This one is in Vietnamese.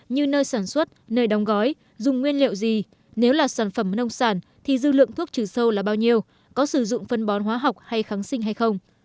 như nơi sản xuất nơi đóng gói dùng nguyên liệu gì nếu là sản phẩm nông sản thì dư lượng thuốc trừ sâu là bao nhiêu có sử dụng phân bón hóa học hay kháng sinh hay không